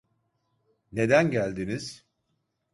Neden geldiniz?